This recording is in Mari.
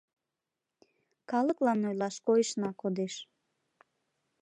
Калыклан ойлаш койышна кодеш.